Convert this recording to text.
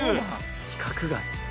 規格外。